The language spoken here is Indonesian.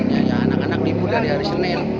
ya anak anak libur dari hari senin